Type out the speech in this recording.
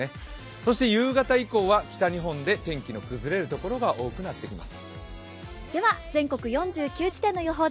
そして夕方以降は北日本で天気の崩れる所が多くなってきます。